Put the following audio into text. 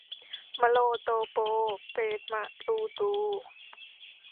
มะโลโตโปเปมะลูตู